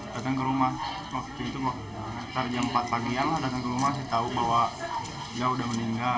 datang ke rumah waktu itu waktu jam empat pagi datang ke rumah masih tahu bahwa dia sudah meninggal